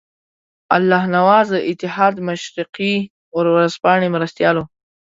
الله نواز د اتحاد مشرقي ورځپاڼې مرستیال وو.